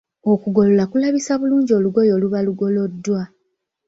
Okugolola kulabisa bulungi olugoye oluba lugoloddwa.